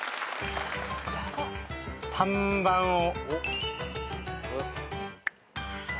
３番を。